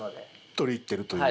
取りに行ってるという？